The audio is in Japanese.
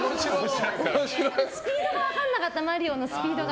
スピードが分からなかったマリオのスピードが。